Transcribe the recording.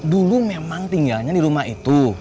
dulu memang tinggalnya di rumah itu